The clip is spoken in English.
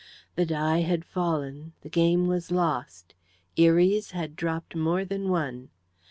The die had fallen; the game was lost Eries had dropped more than one.